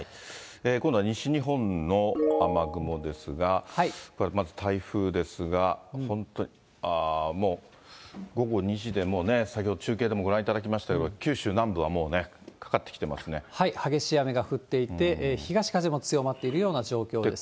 今度は西日本の雨雲ですが、まず台風ですが、本当に、ああ、もう午後２時で、もうね、先ほど、中継でもご覧いただきましたけど、九州南部はも激しい雨が降っていて、東風も強まっているような状況ですね。